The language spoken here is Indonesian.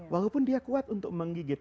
walaupun dia kuat untuk menggigit